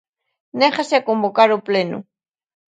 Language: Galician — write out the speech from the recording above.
Négase a convocar o pleno.